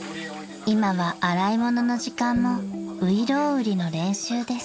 ［今は洗い物の時間も外郎売の練習です］